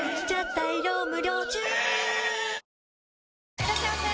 いらっしゃいませ！